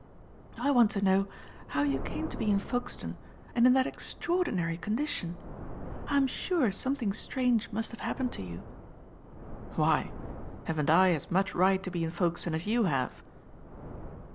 I want to know how you came to be in Folkestone and in that extraordinary condition. I am sure something strange must have happened to you." "Why? Haven't I as much right to be in Folkestone as you have?"